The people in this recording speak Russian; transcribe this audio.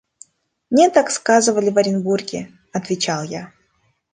«Мне так сказывали в Оренбурге», – отвечал я.